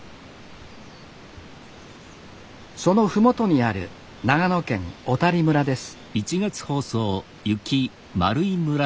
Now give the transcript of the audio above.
その麓にある長野県小谷村です